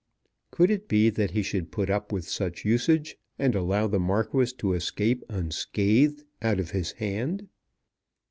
Could it be that he should put up with such usage, and allow the Marquis to escape unscathed out of his hand?